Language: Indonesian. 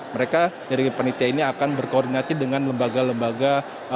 mereka dari penitia ini akan berkoordinasi dengan lembaga lembaga